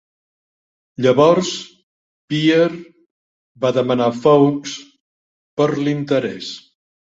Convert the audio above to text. Llavors, Beer va demandar Foakes per l'interès.